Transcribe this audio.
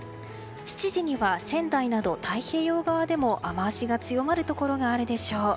７時には仙台など太平洋側でも雨脚が強まるところがあるでしょう。